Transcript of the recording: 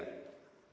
kami tidak punya